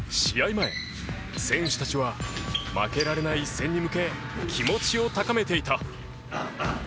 前、選手たちは負けられない一戦に向け気持ちを高めていた。